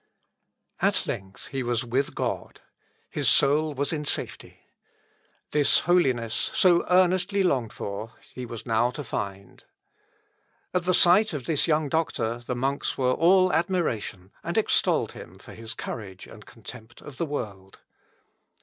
At length he was with God. His soul was in safety. This holiness, so earnestly longed for, he was now to find. At the sight of this young doctor, the monks were all admiration, and extolled him for his courage and contempt of the world.